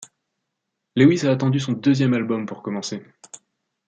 Lewis a attendu son deuxième album pour commencer.